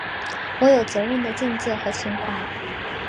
我有责任的境界和情怀